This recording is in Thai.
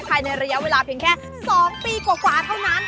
ภายในระยะเวลาเพียงแค่๒ปีกว่าเท่านั้น